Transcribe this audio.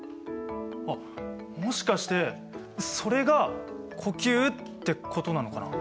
あっもしかしてそれが呼吸ってことなのかな？